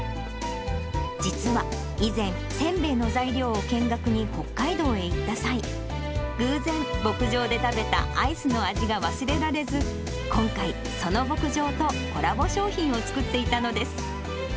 実は以前、せんべいの材料を見学に北海道へ行った際、偶然、牧場で食べたアイスの味が忘れられず、今回、その牧場とコラボ商品を作っていたのです。